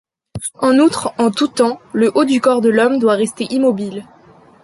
En outre, en tout temps, le haut du corps de l'homme doit rester immobile.